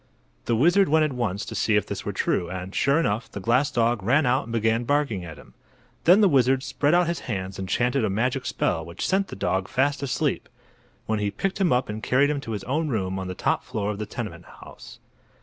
The wizard went at once to see if this were true, and, sure enough, the glass dog ran out and began barking at him. Then the wizard spread out his hands and chanted a magic spell which sent the dog fast asleep, when he picked him up and carried him to his own room on the top floor of the tenement house.